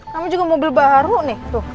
kamu juga mau beli baru nih tuh